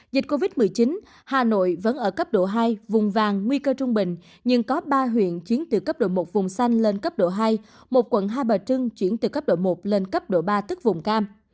dịch covid một mươi chín hà nội vẫn ở cấp độ hai vùng vàng nguy cơ trung bình nhưng có ba huyện chiến từ cấp độ một vùng xanh lên cấp độ hai một quận hai bà trưng chuyển từ cấp độ một lên cấp độ ba tức vùng cam